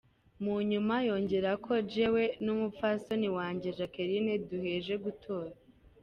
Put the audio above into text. Mu nyuma yongerako ko:”Jewe n’umupfasoni wanje Jacqueline duhejeje gutora.